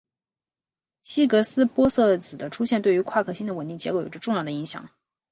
希格斯玻色子的出现对于夸克星的稳定结构有重要的影响。